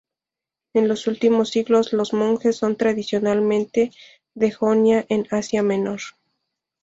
En los últimos siglos, los monjes son tradicionalmente de Jonia en Asia Menor.